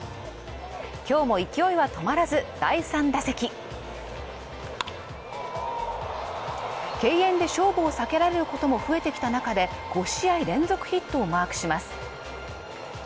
今日も勢いは止まらず第３打席敬遠で勝負を避けられることも増えてきた中で５試合連続ヒットをマークします